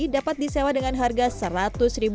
dapat disewa dengan harga seragam